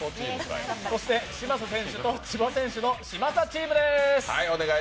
嶋佐選手と千葉選手の嶋佐チームでーす。